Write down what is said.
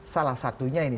salah satunya ini